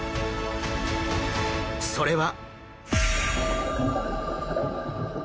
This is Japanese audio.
それは。